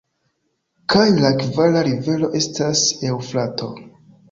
Kaj la kvara rivero estas Eŭfrato.